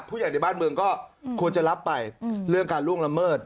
ผู้ใหญ่ในบ้านเมืองก็ควรจะรับไปเรื่องการล่วงละเมิด